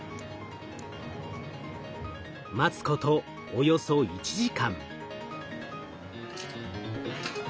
待つことおよそ１時間。